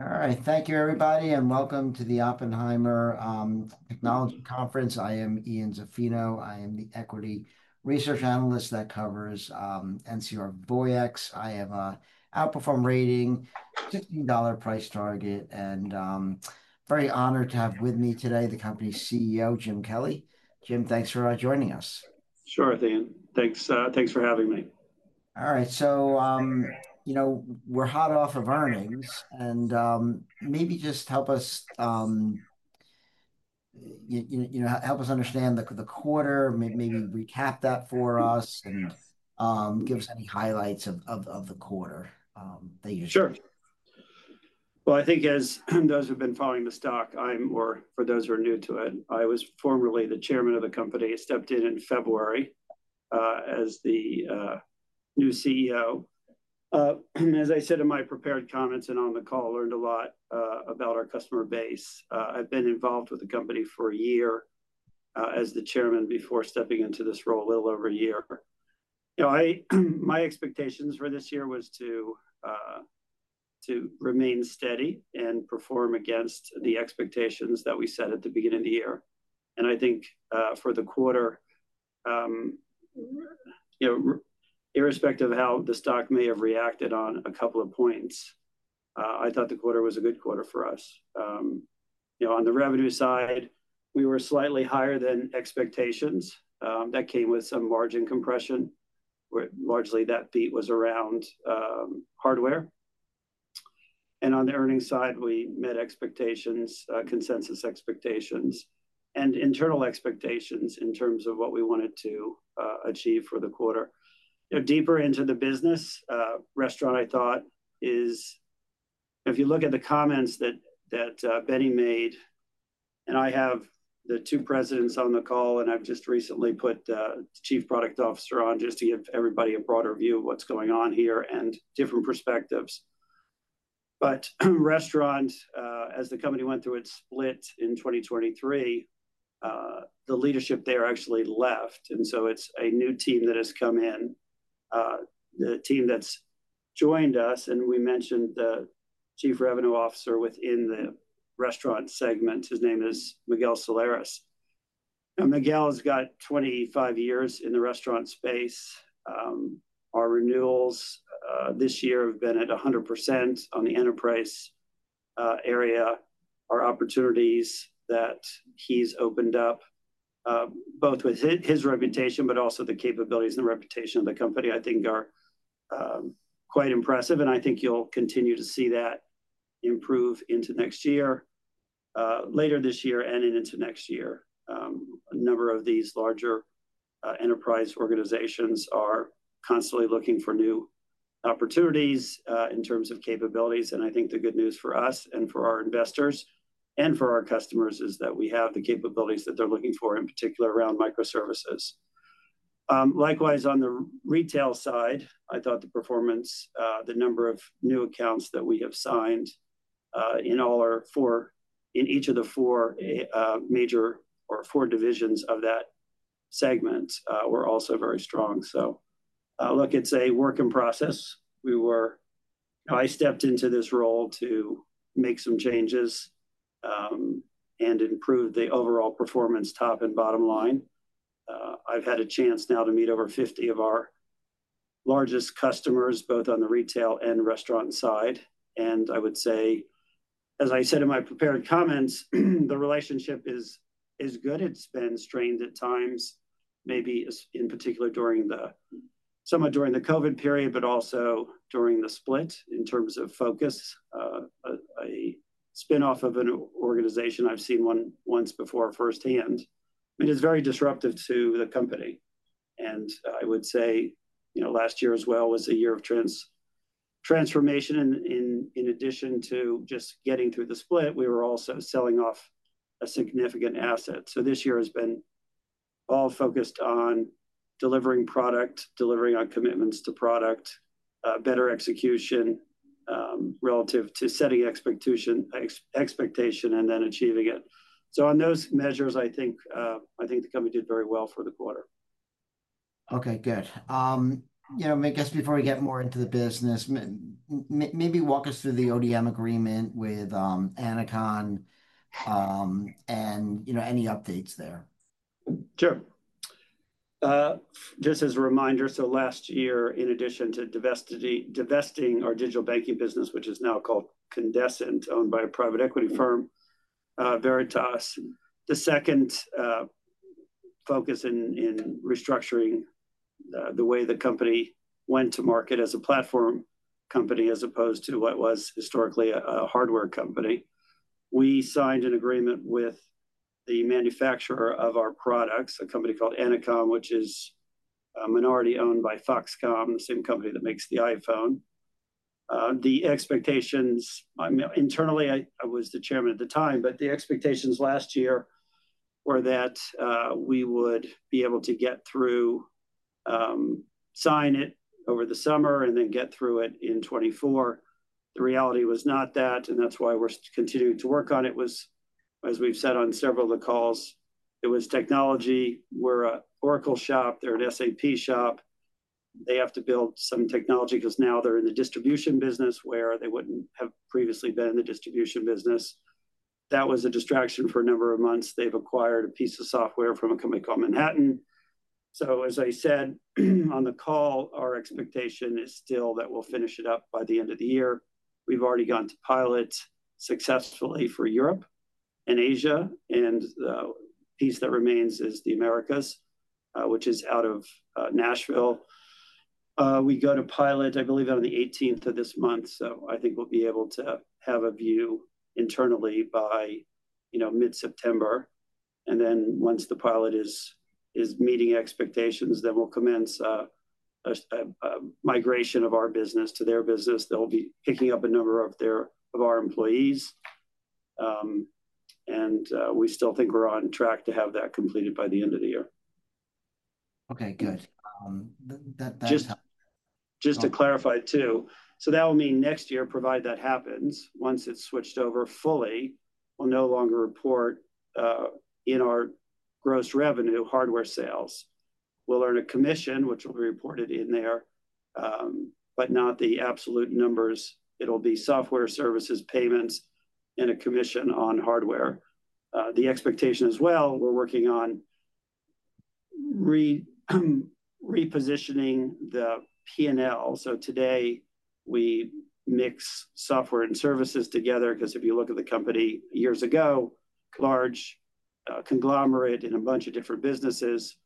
All right, thank you everybody, and welcome to the Oppenheimer Technology Conference. I am Ian Zaffino, I am the Equity Research Analyst that covers NCR Voyix. I have an outperform rating, $15 price target, and I'm very honored to have with me today the company's CEO, Jim Kelly. Jim, thanks for joining us. Sure, Ian, thanks for having me. All right, you know we're hot off of earnings, and maybe just help us understand the quarter, maybe recap that for us, and give us any highlights of the quarter that you're seeing. Sure. I think as those who have been following the stock, or those who are new to it, I was formerly the Chairman of the company. I stepped in in February as the new CEO. As I said in my prepared comments and on the call, I learned a lot about our customer base. I've been involved with the company for a year as the Chairman before stepping into this role a little over a year. My expectations for this year were to remain steady and perform against the expectations that we set at the beginning of the year. I think for the quarter, irrespective of how the stock may have reacted on a couple of points, I thought the quarter was a good quarter for us. On the revenue side, we were slightly higher than expectations. That came with some margin compression, but largely that beat was around hardware. On the earnings side, we met consensus expectations and internal expectations in terms of what we wanted to achieve for the quarter. Deeper into the business, restaurant, I thought, is if you look at the comments that Benny made, and I have the two Presidents on the call, and I've just recently put the Chief Product Officer on just to give everybody a broader view of what's going on here and different perspectives. Restaurant, as the company went through its split in 2023, the leadership there actually left, and it is a new team that has come in, the team that's joined us, and we mentioned the Chief Revenue Officer within the restaurant segment. His name is Miguel Solares. Miguel has got 25 years in the restaurant space. Our renewals this year have been at 100% on the enterprise area. Our opportunities that he's opened up, both with his reputation but also the capabilities and the reputation of the company, I think are quite impressive, and I think you'll continue to see that improve into next year. Later this year and into next year, a number of these larger enterprise organizations are constantly looking for new opportunities in terms of capabilities, and I think the good news for us and for our investors and for our customers is that we have the capabilities that they're looking for, in particular around microservices. Likewise, on the retail side, I thought the performance, the number of new accounts that we have signed in all our four, in each of the four major or four divisions of that segment, were also very strong. It's a work in process. I stepped into this role to make some changes and improve the overall performance, top and bottom line. I've had a chance now to meet over 50 of our largest customers, both on the retail and restaurant side, and I would say, as I said in my prepared comments, the relationship is good. It's been strained at times, maybe in particular somewhat during the COVID period, but also during the split in terms of focus, a spin-off of an organization I've seen once before firsthand. I mean, it's very disruptive to the company, and I would say last year as well was a year of transformation. In addition to just getting through the split, we were also selling off a significant asset. This year has been all focused on delivering product, delivering on commitments to product, better execution relative to setting expectation, and then achieving it. On those measures, I think the company did very well for the quarter. Okay, good. I guess before we get more into the business, maybe walk us through the ODM agreement with Ennoconn and any updates there. Sure. Just as a reminder, last year, in addition to divesting our digital banking business, which is now called Candescent, owned by a private equity firm, Veritas, the second focus in restructuring the way the company went to market as a platform company as opposed to what was historically a hardware company. We signed an agreement with the manufacturer of our products, a company called Ennoconn, which is minority-owned by Foxconn, the same company that makes the iPhone. The expectations, internally, I was the Chairman at the time, but the expectations last year were that we would be able to get through, sign it over the summer, and then get through it in 2024. The reality was not that, and that's why we're continuing to work on it. As we've said on several of the calls, it was technology. We're an Oracle shop. They're an SAP shop. They have to build some technology because now they're in the distribution business where they wouldn't have previously been in the distribution business. That was a distraction for a number of months. They've acquired a piece of software from a company called Manhattan. As I said on the call, our expectation is still that we'll finish it up by the end of the year. We've already gone to pilot successfully for Europe and Asia, and the piece that remains is the Americas, which is out of Nashville. We go to pilot, I believe, on the 18th of this month, so I think we'll be able to have a view internally by mid-September. Once the pilot is meeting expectations, we'll commence a migration of our business to their business. They'll be picking up a number of our employees, and we still think we're on track to have that completed by the end of the year. Okay, good. Just to clarify too, so that will mean next year, provided that happens, once it's switched over fully, we'll no longer report in our gross revenue hardware sales. We'll earn a commission, which will be reported in there, but not the absolute numbers. It'll be software services payments and a commission on hardware. The expectation as well, we're working on repositioning the P&L. Today we mix software and services together because if you look at the company years ago, large conglomerate in a bunch of different businesses.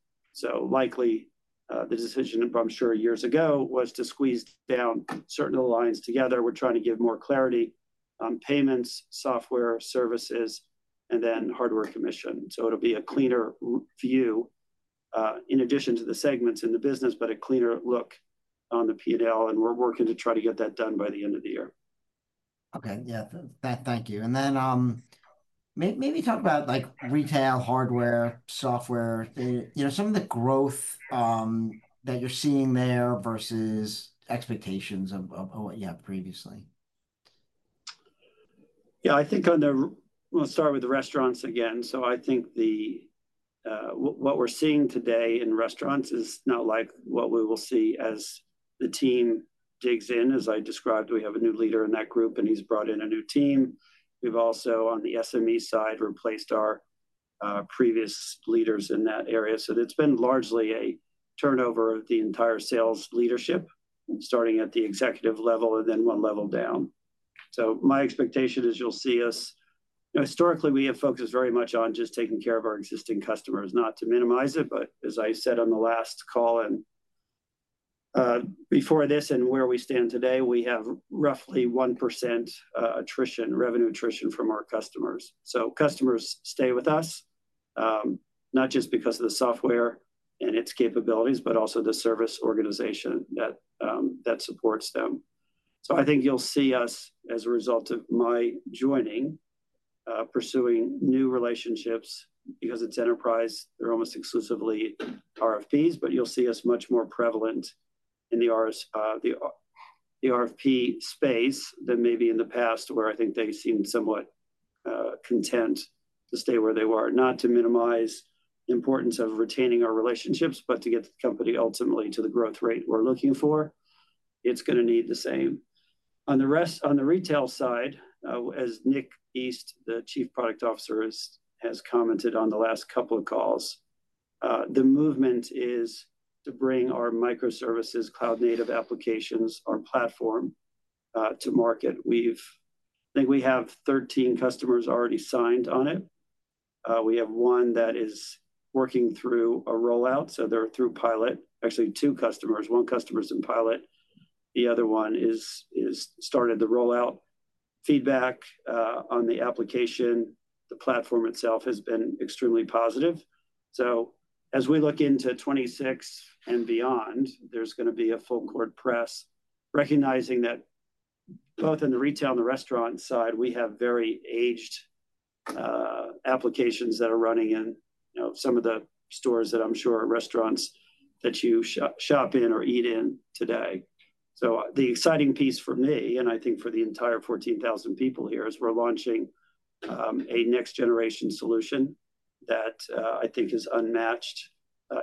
Likely the decision, I'm sure, years ago was to squeeze down certain lines together. We're trying to give more clarity on payments, software services, and then hardware commission. It'll be a cleaner view in addition to the segments in the business, but a cleaner look on the P&L, and we're working to try to get that done by the end of the year. Thank you. Maybe talk about retail, hardware, software, some of the growth that you're seeing there versus expectations of what you had previously. Yeah, I think on the, let's start with the restaurants again. I think what we're seeing today in restaurants is not like what we will see as the team digs in. As I described, we have a new leader in that group, and he's brought in a new team. We've also, on the SME side, replaced our previous leaders in that area. It's been largely a turnover of the entire sales leadership, starting at the executive level and then one level down. My expectation is you'll see us, historically, we have focused very much on just taking care of our existing customers, not to minimize it, but as I said on the last call and before this and where we stand today, we have roughly 1% revenue attrition from our customers. Customers stay with us, not just because of the software and its capabilities, but also the service organization that supports them. I think you'll see us, as a result of my joining, pursuing new relationships because it's enterprise. They're almost exclusively RFPs, but you'll see us much more prevalent in the RFP space than maybe in the past, where I think they seemed somewhat content to stay where they were. Not to minimize the importance of retaining our relationships, but to get the company ultimately to the growth rate we're looking for, it's going to need the same. On the retail side, as Nick East, the Chief Product Officer, has commented on the last couple of calls, the movement is to bring our microservices, cloud-native applications, our platform to market. I think we have 13 customers already signed on it. We have one that is working through a rollout, so they're through pilot. Actually, two customers, one customer's in pilot, the other one has started the rollout. Feedback on the application, the platform itself has been extremely positive. As we look into 2026 and beyond, there's going to be a full court press recognizing that both in the retail and the restaurant side, we have very aged applications that are running in some of the stores that I'm sure are restaurants that you shop in or eat in today. The exciting piece for me, and I think for the entire 14,000 people here, is we're launching a next-generation solution that I think is unmatched,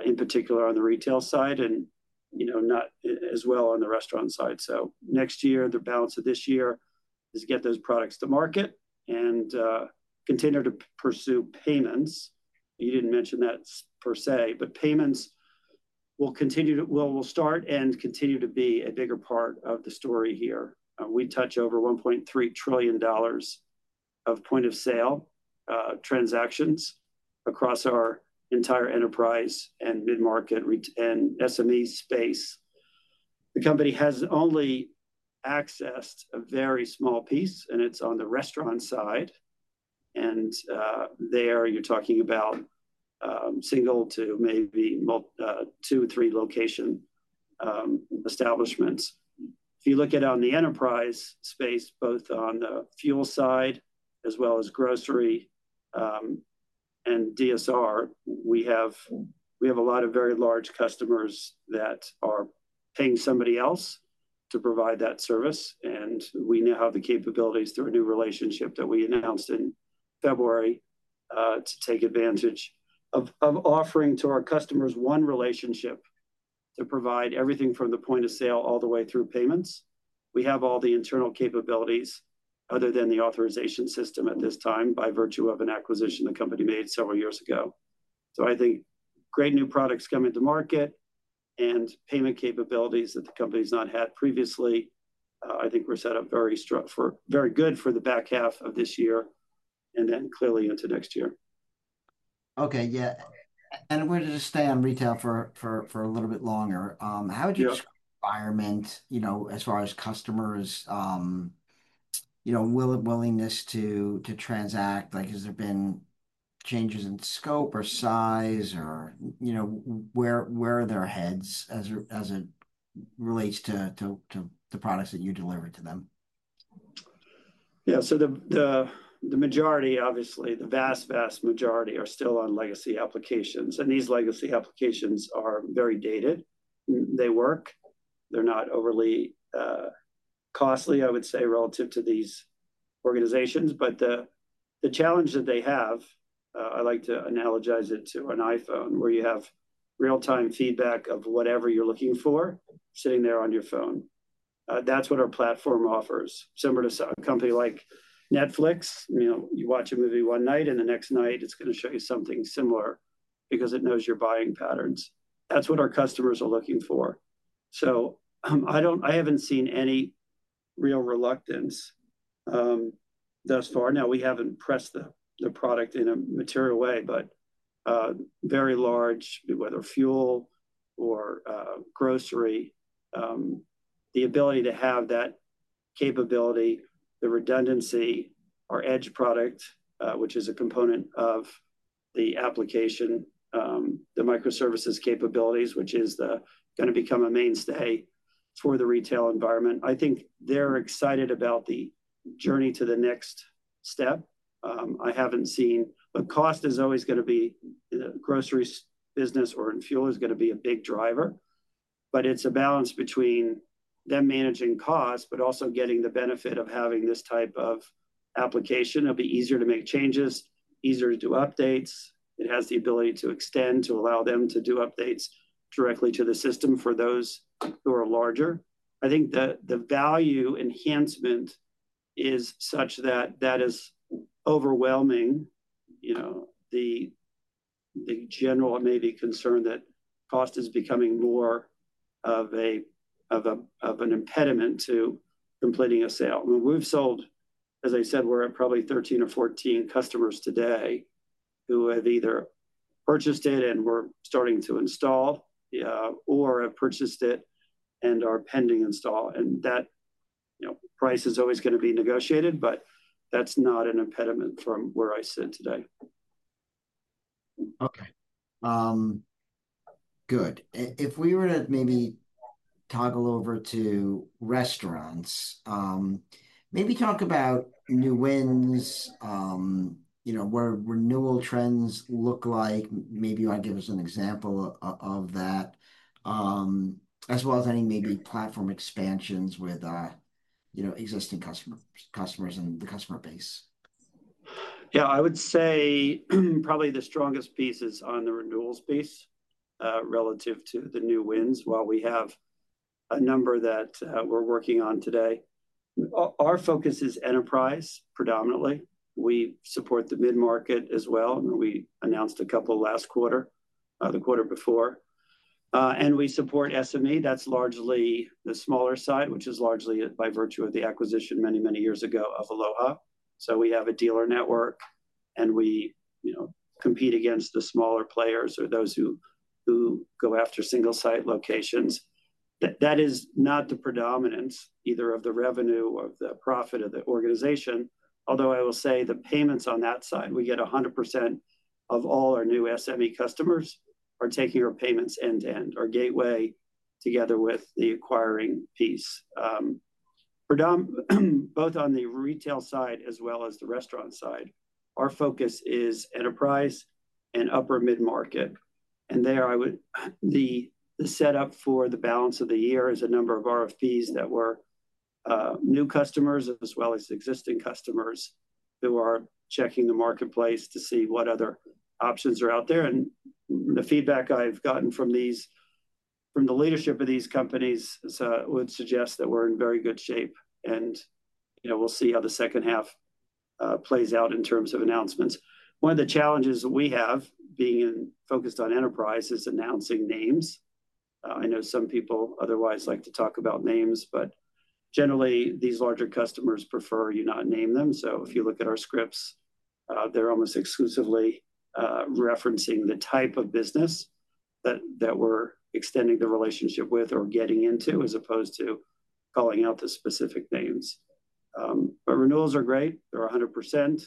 in particular on the retail side and not as well on the restaurant side. Next year, the balance of this year is to get those products to market and continue to pursue payments. You didn't mention that per se, but payments will start and continue to be a bigger part of the story here. We touch over $1.3 trillion of point-of-sale transactions across our entire enterprise and mid-market and SME space. The company has only accessed a very small piece, and it's on the restaurant side. There you're talking about single to maybe two, three location establishments. If you look at it on the enterprise space, both on the fuel side as well as grocery and DSR, we have a lot of very large customers that are paying somebody else to provide that service, and we now have the capabilities through a new relationship that we announced in February to take advantage of offering to our customers one relationship to provide everything from the point of sale all the way through payments. We have all the internal capabilities other than the authorization system at this time by virtue of an acquisition the company made several years ago. I think great new products coming to market and payment capabilities that the company's not had previously, I think we're set up very good for the back half of this year and then clearly into next year. Okay, yeah. We're going to just stay on retail for a little bit longer. How would you environment, you know, as far as customers' willingness to transact? Has there been changes in scope or size, or, you know, where are their heads as it relates to the products that you deliver to them? Yeah, so the majority, obviously, the vast, vast majority are still on legacy applications, and these legacy applications are very dated. They work. They're not overly costly, I would say, relative to these organizations. The challenge that they have, I like to analogize it to an iPhone where you have real-time feedback of whatever you're looking for sitting there on your phone. That's what our platform offers. Similar to a company like Netflix, you watch a movie one night, and the next night it's going to show you something similar because it knows your buying patterns. That's what our customers are looking for. I haven't seen any real reluctance thus far. We haven't pressed the product in a material way, but very large, whether fuel or grocery, the ability to have that capability, the redundancy, our edge product, which is a component of the application, the microservices capabilities, which is going to become a mainstay for the retail environment. I think they're excited about the journey to the next step. I haven't seen, cost is always going to be in the grocery business or in fuel is going to be a big driver. It's a balance between them managing costs, but also getting the benefit of having this type of application. It'll be easier to make changes, easier to do updates. It has the ability to extend to allow them to do updates directly to the system for those who are larger. I think the value enhancement is such that that is overwhelming the general and maybe concern that cost is becoming more of an impediment to completing a sale. We've sold, as I said, we're at probably 13 or 14 customers today who have either purchased it and are starting to install or have purchased it and are pending install. That price is always going to be negotiated, but that's not an impediment from where I sit today. Okay, good. If we were to maybe toggle over to restaurants, maybe talk about new wins, you know, where renewal trends look like. Maybe you want to give us an example of that, as well as any maybe platform expansions with, you know, existing customers and the customer base. Yeah, I would say probably the strongest piece is on the renewal space relative to the new wins. While we have a number that we're working on today, our focus is enterprise predominantly. We support the mid-market as well, and we announced a couple last quarter, the quarter before. We support SME, that's largely the smaller side, which is largely by virtue of the acquisition many, many years ago of Aloha. We have a dealer network, and we compete against the smaller players or those who go after single-site locations. That is not the predominance either of the revenue or the profit of the organization. Although I will say the payments on that side, we get 100% of all our new SME customers are taking our payments end-to-end, our gateway together with the acquiring piece. Both on the retail side as well as the restaurant side, our focus is enterprise and upper mid-market. The setup for the balance of the year is a number of RFPs that were new customers as well as existing customers who are checking the marketplace to see what other options are out there. The feedback I've gotten from the leadership of these companies would suggest that we're in very good shape, and we'll see how the second half plays out in terms of announcements. One of the challenges that we have, being focused on enterprise, is announcing names. I know some people otherwise like to talk about names, but generally these larger customers prefer you not name them. If you look at our scripts, they're almost exclusively referencing the type of business that we're extending the relationship with or getting into as opposed to calling out the specific names. Renewals are great. They're 100%.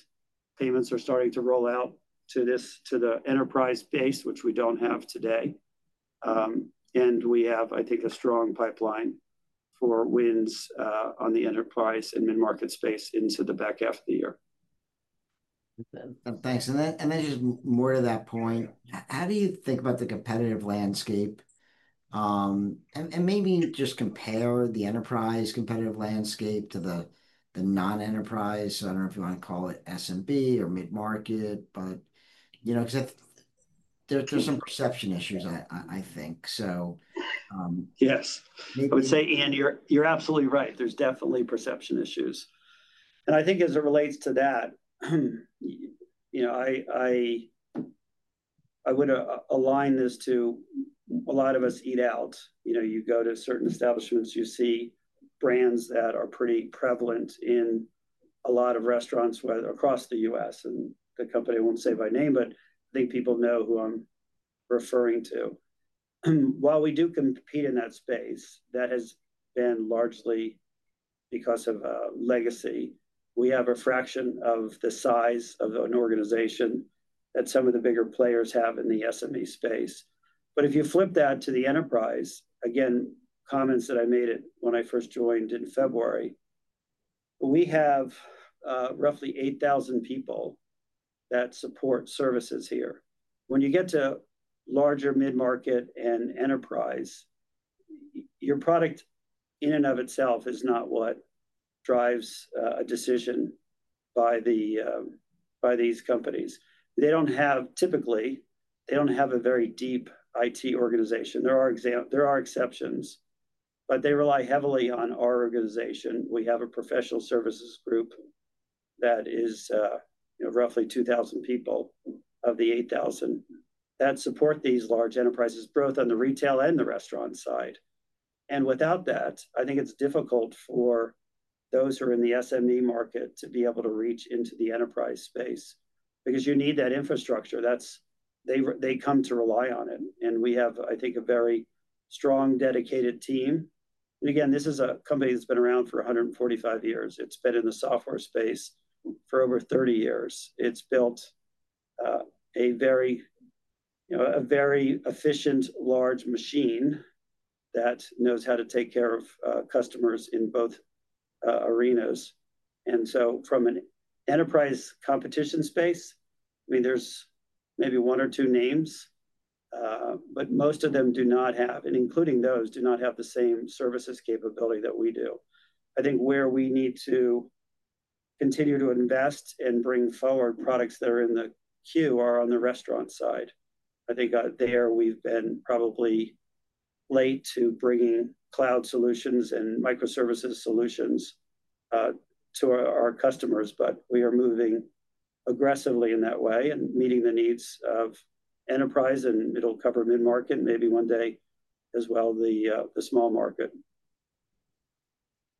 Payments are starting to roll out to the enterprise base, which we don't have today. We have, I think, a strong pipeline for wins on the enterprise and mid-market space into the back half of the year. Thanks. How do you think about the competitive landscape and maybe just compare the enterprise competitive landscape to the non-enterprise? I don't know if you want to call it SMB or mid-market, but you know, because there's some perception issues, I think. Yes, I would say, Ian, you're absolutely right. There's definitely perception issues. I think as it relates to that, I would align this to a lot of us eat out. You go to certain establishments, you see brands that are pretty prevalent in a lot of restaurants across the U.S., and the company won't say by name, but I think people know who I'm referring to. While we do compete in that space, that has been largely because of legacy. We have a fraction of the size of an organization that some of the bigger players have in the SME space. If you flip that to the enterprise, again, comments that I made when I first joined in February, we have roughly 8,000 people that support services here. When you get to larger mid-market and enterprise, your product in and of itself is not what drives a decision by these companies. They don't have, typically, they don't have a very deep IT organization. There are exceptions, but they rely heavily on our organization. We have a Professional Services group that is roughly 2,000 people of the 8,000 that support these large enterprises, both on the retail and the restaurant side. Without that, I think it's difficult for those who are in the SME market to be able to reach into the enterprise space because you need that infrastructure. They come to rely on it. We have, I think, a very strong, dedicated team. This is a company that's been around for 145 years. It's been in the software space for over 30 years. It's built a very efficient, large machine that knows how to take care of customers in both arenas. From an enterprise competition space, I mean, there's maybe one or two names, but most of them do not have, and including those, do not have the same services capability that we do. I think where we need to continue to invest and bring forward products that are in the queue are on the restaurant side. I think there we've been probably late to bringing cloud solutions and microservices solutions to our customers, but we are moving aggressively in that way and meeting the needs of enterprise, and it'll cover mid-market, maybe one day as well the small market.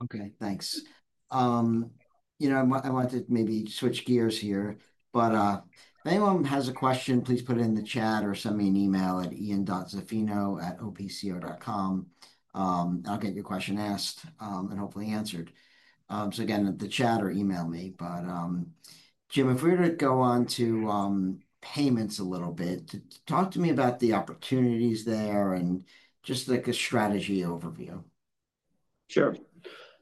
Okay, thanks. I want to maybe switch gears here. If anyone has a question, please put it in the chat or send me an email at ian.zaffino@opco.com. I'll get your question asked and hopefully answered. The chat or email me. Jim, if we were to go on to payments a little bit, talk to me about the opportunities there and just like a strategy overview. Sure.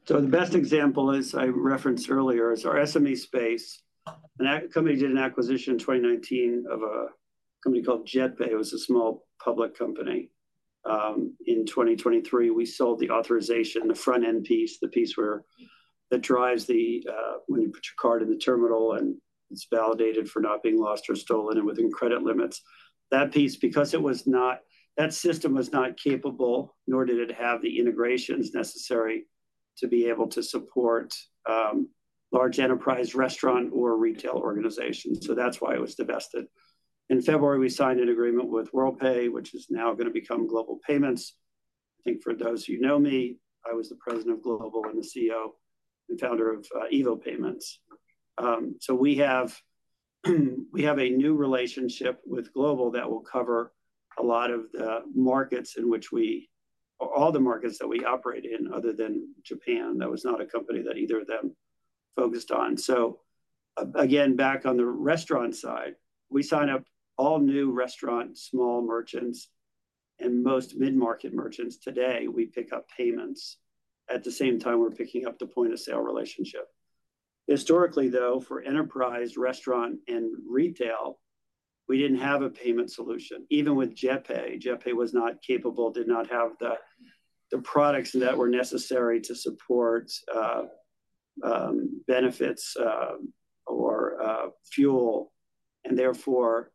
The best example I referenced earlier is our SME space. The company did an acquisition in 2019 of a company called JetPay. It was a small public company. In 2023, we sold the authorization, the front-end piece, the piece that drives when you put your card in the terminal and it's validated for not being lost or stolen and within credit limits. That piece, because it was not, that system was not capable, nor did it have the integrations necessary to be able to support large enterprise restaurant or retail organizations. That is why it was divested. In February, we signed an agreement with Worldpay, which is now going to become Global Payments. I think for those who know me, I was the President of Global and the CEO and founder of EVO Payments. We have a new relationship with Global that will cover a lot of the markets in which we, or all the markets that we operate in other than Japan. That was not a company that either of them focused on. Back on the restaurant side, we sign up all new restaurants, small merchants, and most mid-market merchants today. We pick up payments. At the same time, we're picking up the point-of-sale relationship. Historically, though, for enterprise, restaurant, and retail, we didn't have a payment solution. Even with JetPay, JetPay was not capable, did not have the products that were necessary to support benefits or fuel, and therefore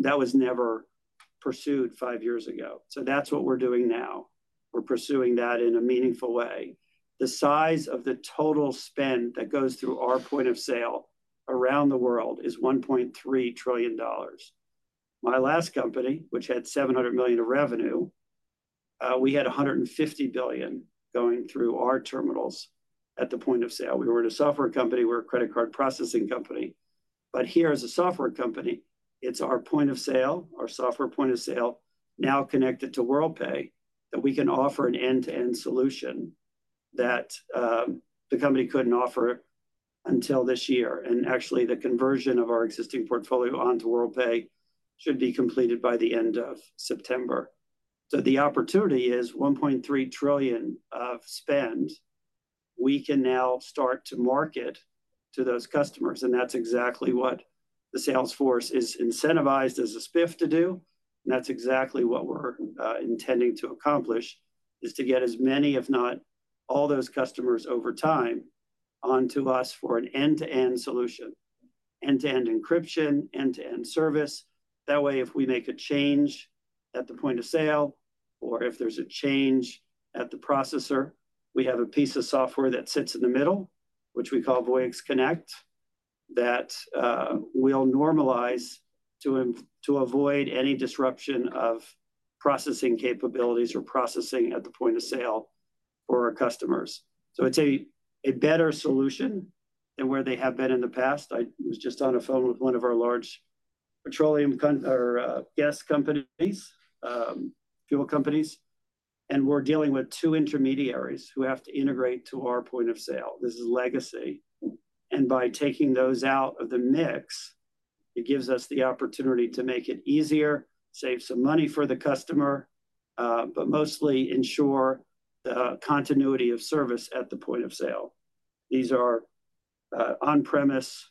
that was never pursued five years ago. That is what we're doing now. We're pursuing that in a meaningful way. The size of the total spend that goes through our point of sale around the world is $1.3 trillion. My last company, which had $700 million in revenue, we had $150 billion going through our terminals at the point of sale. We weren't a software company. We were a credit card processing company. Here as a software company, it's our point of sale, our software point of sale, now connected to Worldpay that we can offer an end-to-end solution that the company couldn't offer until this year. The conversion of our existing portfolio onto Worldpay should be completed by the end of September. The opportunity is $1.3 trillion of spend. We can now start to market to those customers, and that's exactly what the sales force is incentivized as a spiff to do. That's exactly what we're intending to accomplish, to get as many, if not all those customers over time onto us for an end-to-end solution, end-to-end encryption, end-to-end service. That way, if we make a change at the point of sale or if there's a change at the processor, we have a piece of software that sits in the middle, which we call Voyix Connect, that will normalize to avoid any disruption of processing capabilities or processing at the point of sale for our customers. It's a better solution than where they have been in the past. I was just on the phone with one of our large petroleum gas companies, fuel companies, and we're dealing with two intermediaries who have to integrate to our point of sale. This is legacy. By taking those out of the mix, it gives us the opportunity to make it easier, save some money for the customer, but mostly ensure the continuity of service at the point of sale. These are on-premise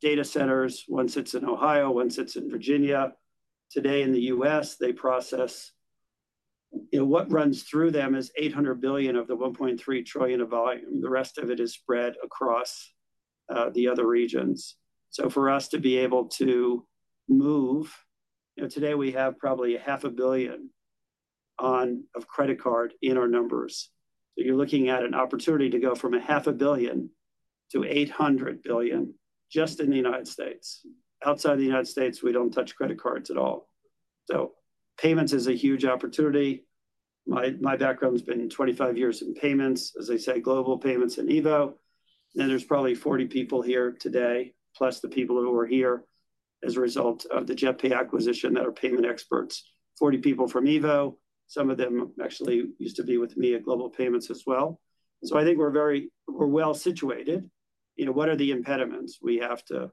data centers. One's in Ohio, one's in Virginia. Today in the U.S., they process what runs through them is $800 billion of the $1.3 trillion of volume. The rest of it is spread across the other regions. For us to be able to move, today we have probably a half a billion of credit card in our numbers. You're looking at an opportunity to go from $500 million to $800 billion just in the United States. Outside the United States, we don't touch credit cards at all. Payments is a huge opportunity. My background's been 25 years in payments, as I say, Global Payments and EVO. There's probably 40 people here today, plus the people who are here as a result of the JetPay acquisition that are payment experts. 40 people from EVO, some of them actually used to be with me at Global Payments as well. I think we're very, we're well situated. What are the impediments? We have to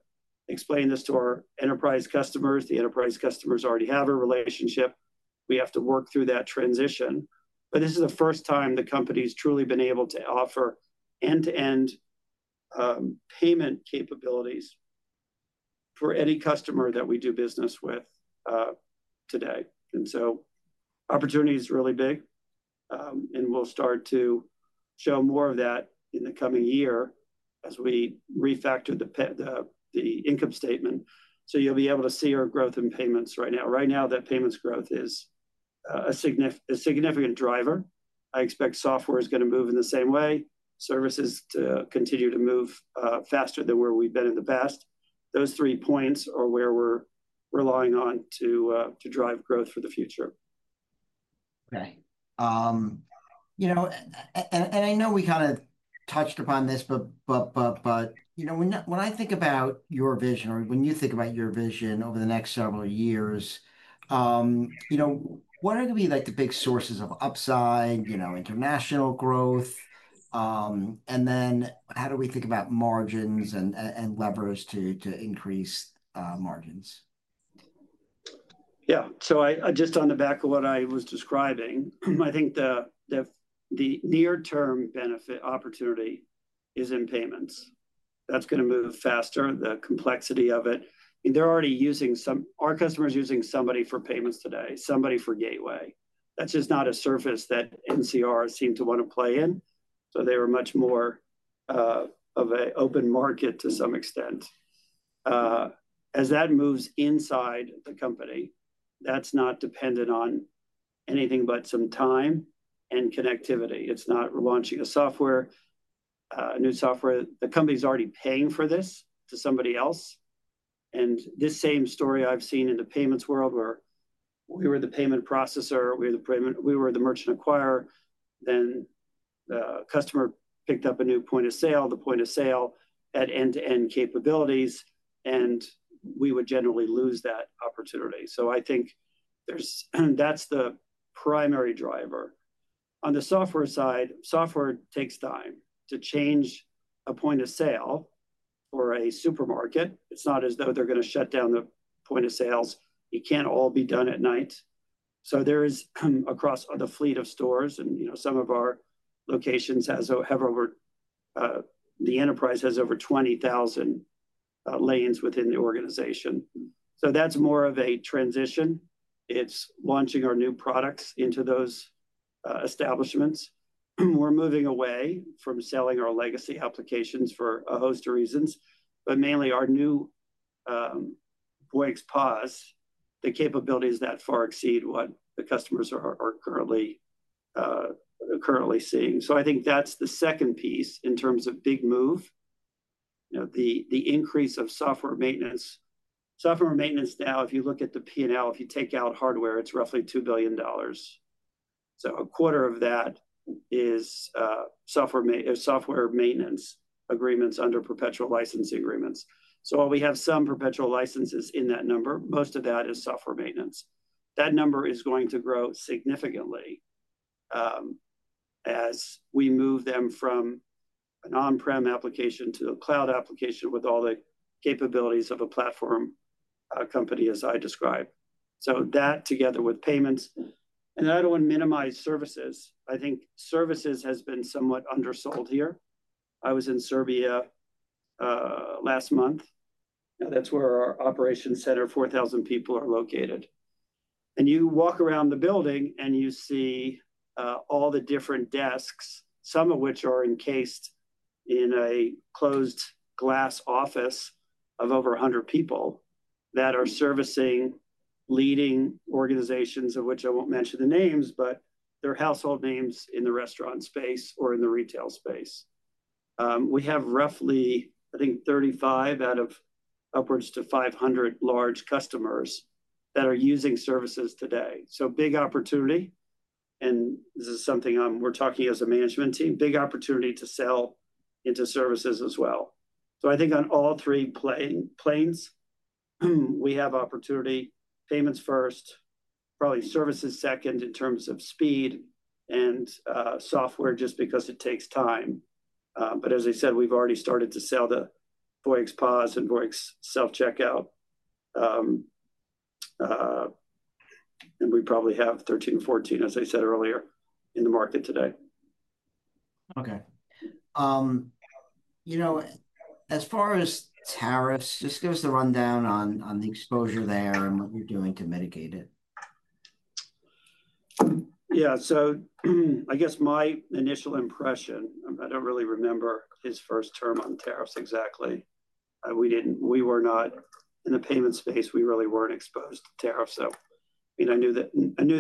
explain this to our enterprise customers. The enterprise customers already have a relationship. We have to work through that transition. This is the first time the company's truly been able to offer end-to-end payment capabilities for any customer that we do business with today. Opportunity is really big, and we'll start to show more of that in the coming year as we refactor the income statement. You'll be able to see our growth in payments right now. Right now, that payments growth is a significant driver. I expect software is going to move in the same way, services to continue to move faster than where we've been in the past. Those three points are where we're relying on to drive growth for the future. Okay. I know we kind of touched upon this, but you know, when I think about your vision or when you think about your vision over the next several years, what are going to be like the big sources of upside, you know, international growth? How do we think about margins and levers to increase margins? Yeah, just on the back of what I was describing, I think the near-term benefit opportunity is in payments. That's going to move faster. The complexity of it, I mean, they're already using some, our customers are using somebody for payments today, somebody for gateway. That's just not a surface that NCR seemed to want to play in. They were much more of an open market to some extent. As that moves inside the company, that's not dependent on anything but some time and connectivity. It's not, we're launching a new software. The company's already paying for this to somebody else. This same story I've seen in the payments world where we were the payment processor, we were the merchant acquirer, then the customer picked up a new point of sale, the point of sale had end-to-end capabilities, and we would generally lose that opportunity. I think that's the primary driver. On the software side, software takes time to change a point of sale for a supermarket. It's not as though they're going to shut down the point of sales. It can't all be done at night. There is across the fleet of stores, and some of our locations have over, the enterprise has over 20,000 lanes within the organization. That's more of a transition. It's launching our new products into those establishments. We're moving away from selling our legacy applications for a host of reasons, but mainly our new Voyix POS, the capabilities that far exceed what the customers are currently seeing. I think that's the second piece in terms of big move. The increase of software maintenance. Software maintenance now, if you look at the P&L, if you take out hardware, it's roughly $2 billion. A quarter of that is software maintenance agreements under perpetual licensing agreements. While we have some perpetual licenses in that number, most of that is software maintenance. That number is going to grow significantly as we move them from an on-prem application to a cloud application with all the capabilities of a platform company, as I described. That together with payments. I don't want to minimize services. I think services has been somewhat undersold here. I was in Serbia last month. That's where our operations center, 4,000 people are located. You walk around the building and you see all the different desks, some of which are encased in a closed glass office of over 100 people that are servicing leading organizations, of which I won't mention the names, but they're household names in the restaurant space or in the retail space. We have roughly, I think, 35 out of upwards to 500 large customers that are using services today. Big opportunity, and this is something we're talking as a management team, big opportunity to sell into services as well. I think on all three planes, we have opportunity. Payments first, probably services second in terms of speed and software just because it takes time. As I said, we've already started to sell to Voyix POS and Voyix Self-Checkout. We probably have 13, 14, as I said earlier, in the market today. Okay. As far as tariffs, just give us a rundown on the exposure there and what you're doing to mitigate it. Yeah, so I guess my initial impression, I don't really remember his first term on tariffs exactly. We were not in the payment space. We really weren't exposed to tariffs. I mean, I knew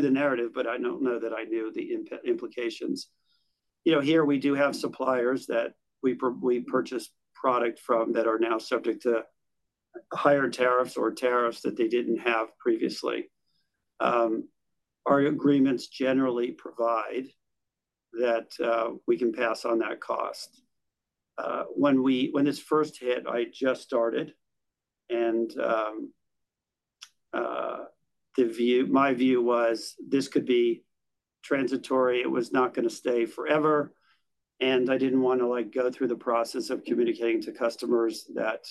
the narrative, but I don't know that I knew the implications. Here we do have suppliers that we purchase product from that are now subject to higher tariffs or tariffs that they didn't have previously. Our agreements generally provide that we can pass on that cost. When this first hit, I just started, and my view was this could be transitory. It was not going to stay forever. I didn't want to go through the process of communicating to customers that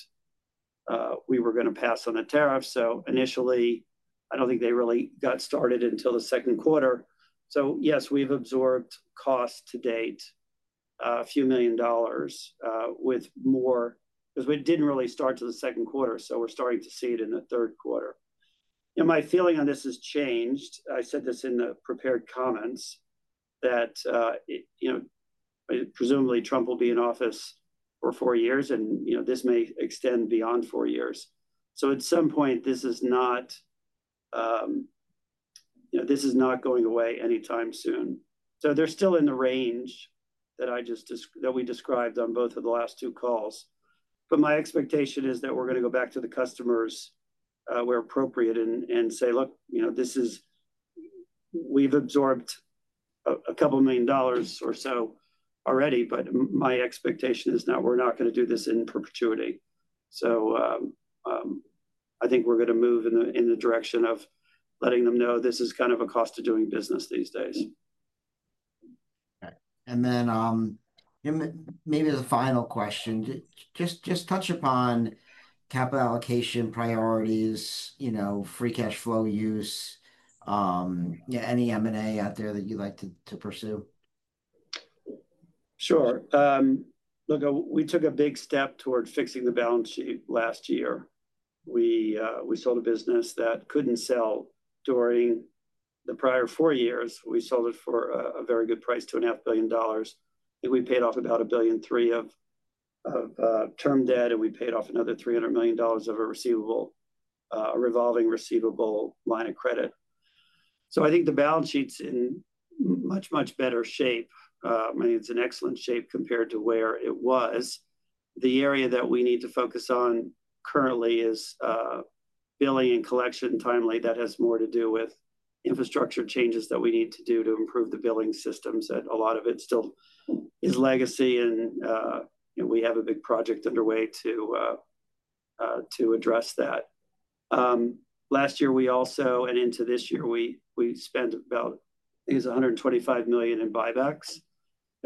we were going to pass on a tariff. Initially, I don't think they really got started until the second quarter. Yes, we've absorbed costs to date, a few million dollars with more, because we didn't really start till the second quarter. We're starting to see it in the third quarter. My feeling on this has changed. I said this in the prepared comments that presumably Trump will be in office for four years, and this may extend beyond four years. At some point, this is not going away anytime soon. They're still in the range that we described on both of the last two calls. My expectation is that we're going to go back to the customers where appropriate and say, look, we've absorbed a couple million dollars or so already, but my expectation is we're not going to do this in perpetuity. I think we're going to move in the direction of letting them know this is kind of a cost to doing business these days. Maybe the final question, just touch upon capital allocation priorities, you know, free cash flow use, any M&A out there that you'd like to pursue? Sure. Look, we took a big step toward fixing the balance sheet last year. We sold a business that couldn't sell during the prior four years. We sold it for a very good price at $1.5 billion. I think we paid off about $1.3 billion of term debt, and we paid off another $300 million of a revolving receivable line of credit. I think the balance sheet's in much, much better shape. I mean, it's in excellent shape compared to where it was. The area that we need to focus on currently is billing and collection timely. That has more to do with infrastructure changes that we need to do to improve the billing systems. A lot of it still is legacy, and we have a big project underway to address that. Last year we also, and into this year, we spent about, I think it was $125 million in buybacks.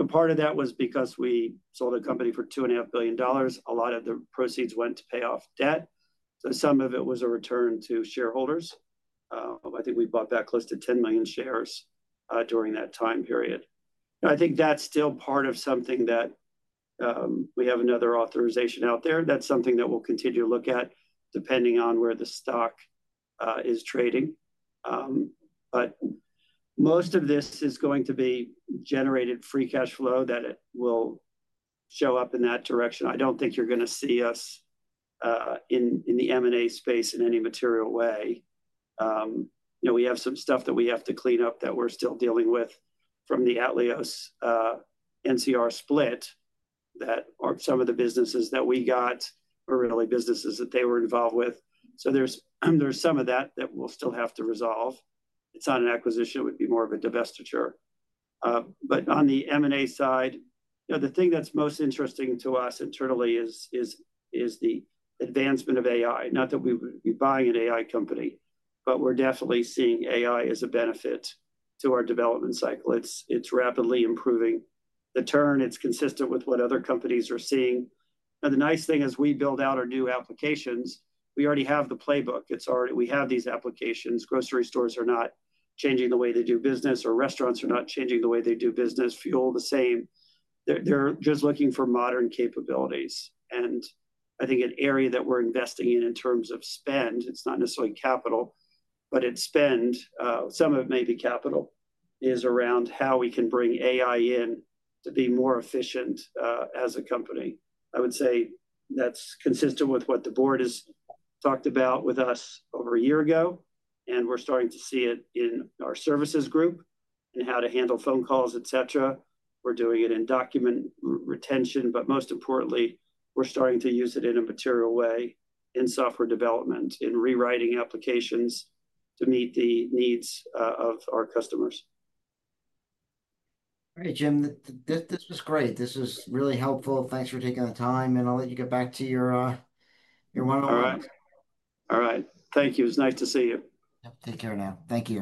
Part of that was because we sold a company for $2.5 billion. A lot of the proceeds went to pay off debt. Some of it was a return to shareholders. I think we bought back close to $10 million shares during that time period. I think that's still part of something that we have another authorization out there. That's something that we'll continue to look at depending on where the stock is trading. Most of this is going to be generated free cash flow that will show up in that direction. I don't think you're going to see us in the M&A space in any material way. We have some stuff that we have to clean up that we're still dealing with from the Atleos-NCR split, that some of the businesses that we got are really businesses that they were involved with. There's some of that that we'll still have to resolve. It's not an acquisition. It would be more of a divestiture. On the M&A side, the thing that's most interesting to us internally is the advancement of AI. Not that we'd be buying an AI company, but we're definitely seeing AI as a benefit to our development cycle. It's rapidly improving. The turn, it's consistent with what other companies are seeing. The nice thing is as we build out our new applications, we already have the playbook. We have these applications. Grocery stores are not changing the way they do business, or restaurants are not changing the way they do business. Fuel the same. They're just looking for modern capabilities. I think an area that we're investing in in terms of spend, it's not necessarily capital, but it's spend. Some of it may be capital, is around how we can bring AI in to be more efficient as a company. I would say that's consistent with what the board has talked about with us over a year ago, and we're starting to see it in our services group and how to handle phone calls, etc. We're doing it in document retention, but most importantly, we're starting to use it in a material way in software development, in rewriting applications to meet the needs of our customers. All right, Jim, this was great. This was really helpful. Thanks for taking the time, and I'll let you get back to your one-on-one. All right. Thank you. It was nice to see you. Take care now. Thank you.